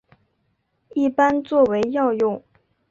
一般作为药用。